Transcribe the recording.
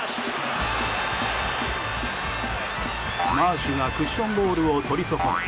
マーシュがクッションボールをとりそこね